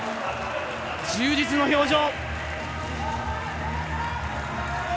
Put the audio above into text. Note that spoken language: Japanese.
充実の表情。